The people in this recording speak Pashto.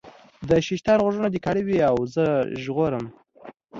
د شیطان غوږونه دي کاڼه وي او زه ژغورم.